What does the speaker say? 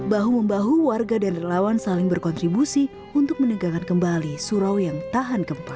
bahu membahu warga dan relawan saling berkontribusi untuk menegakkan kembali surau yang tahan gempa